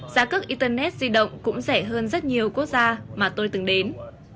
giá cước internet di động cũng rẻ hơn rất nhiều quốc gia mà tôi từng đến